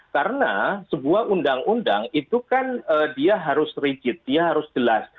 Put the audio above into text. karena sebuah undang undang itu kan dia harus rigid dia harus jelas